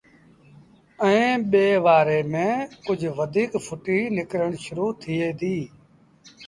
ائيٚݩ ٻي وآري ميݩ ڪجھ وڌيٚڪ ڦُٽيٚ نڪرڻ شرو ٿئي ديٚ